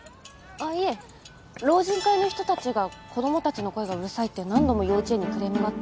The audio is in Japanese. いえ老人会の人たちが子供たちの声がうるさいって何度も幼稚園にクレームがあって。